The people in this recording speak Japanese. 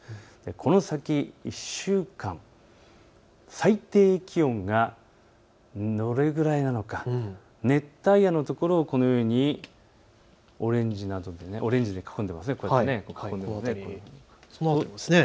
この先１週間、最低気温がどれくらいなのか、熱帯夜のところをこのようにオレンジで囲んでいます。